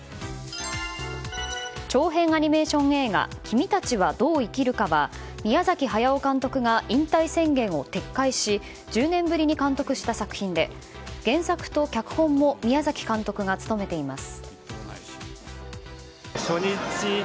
長編アニメーション映画「君たちはどう生きるか」は宮崎駿監督が引退宣言を撤回し１０年ぶりに監督した作品で原作と脚本も宮崎監督が務めています。